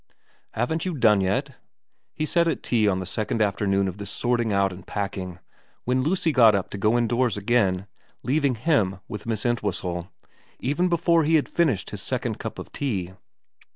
' Haven't you done yet ?' he said at tea on the second afternoon of this sorting out and packing, when Lucy got up to go indoors again, leaving him with Miss Entwhistlc, even before he had finished his second cup of tea.